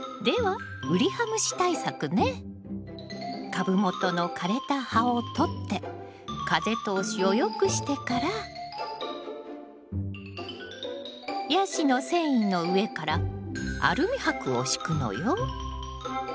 株元の枯れた葉を取って風通しを良くしてからヤシの繊維の上からアルミ箔を敷くのよ。